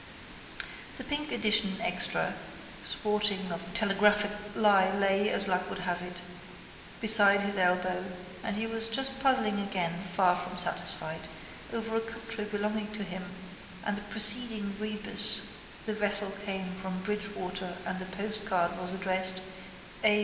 The pink edition extra sporting of the Telegraph tell a graphic lie lay, as luck would have it, beside his elbow and as he was just puzzling again, far from satisfied, over a country belonging to him and the preceding rebus the vessel came from Bridgwater and the postcard was addressed A.